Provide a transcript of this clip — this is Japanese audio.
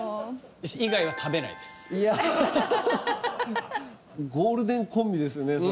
以外は食べないですいやハハハハハハゴールデンコンビですね